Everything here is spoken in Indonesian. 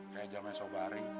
kayak jam esok hari